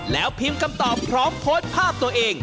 แล้วพิมพ์คำตอบพร้อมโพสต์ภาพตัวเอง